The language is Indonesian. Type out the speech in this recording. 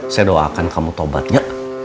saya doakan kamu tobatnya